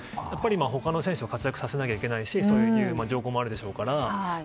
他の選手も活躍させないといけないしそういう条項もあるでしょうから。